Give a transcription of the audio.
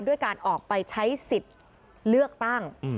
ด้วยการออกไปใช้สิทธิ์เลือกตั้ง